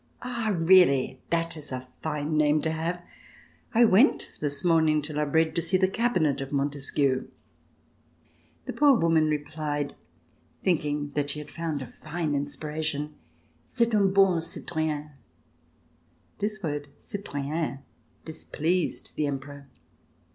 "Ah, really, that is a fine name to have. I went this morning to La Brede to see the cabinet of Montesquieu." The poor woman replied, thinking that she had found a fine inspiration: "C'est un bon citoyen." This word "citoyen" displeased the Emperor.